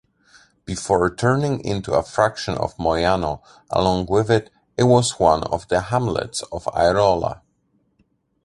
Before turning into a Fraction of Moiano, along with it, it was one of the hamlets of Airola.